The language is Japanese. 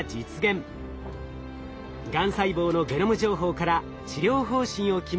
がん細胞のゲノム情報から治療方針を決める